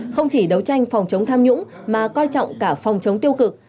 không chỉ đấu tranh phòng chống tham nhũng mà coi trọng cả phòng chống tiêu cực